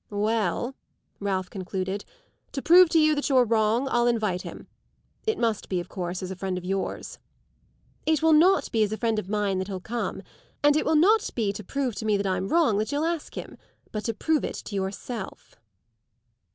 "Well," Ralph concluded, "to prove to you that you're wrong I'll invite him. It must be of course as a friend of yours." "It will not be as a friend of mine that he'll come; and it will not be to prove to me that I'm wrong that you'll ask him but to prove it to yourself!"